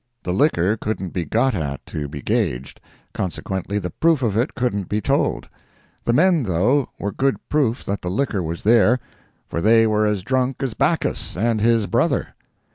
The liquor couldn't be got at to be gauged, consequently the proof of it couldn't be told; the men, though, were good proof that the liquor was there, for they were as drunk as Bacchus and his brother.